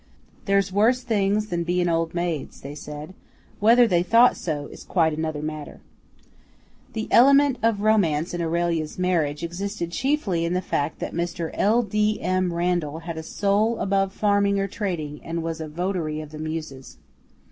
"There's worse things than bein' old maids," they said; whether they thought so is quite another matter. The element of romance in Aurelia's marriage existed chiefly in the fact that Mr. L. D. M. Randall had a soul above farming or trading and was a votary of the Muses.